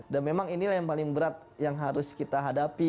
dan memang inilah yang paling berat yang harus kita hadapi